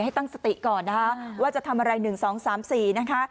ให้ตั้งสติก่อนนะคะว่าจะทำอะไร๑๒๓๔นะคะ